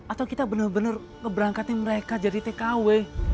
atau kita bener bener ngeberangkatin mereka jadi tkw